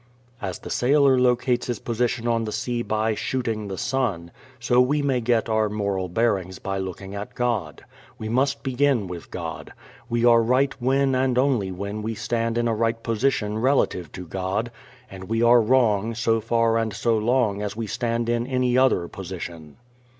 As the sailor locates his position on the sea by "shooting" the sun, so we may get our moral bearings by looking at God. We must begin with God. We are right when and only when we stand in a right position relative to God, and we are wrong so far and so long as we stand in any other position.